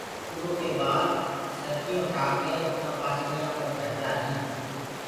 اُرو ڪي بآد سرڪيون ٺآ ڪي اُنآ پآسݪيآ پر دهردآ هينٚ۔